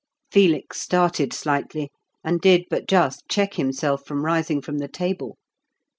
Felix started slightly, and did but just check himself from rising from the table.